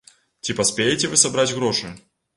Ці паспееце вы сабраць грошы?